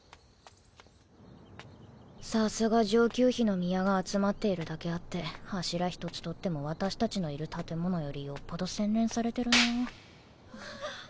さすが上級妃の宮が集まっているだけあって柱一つ取っても私たちのいる建物よりよっぽど洗練されてるな。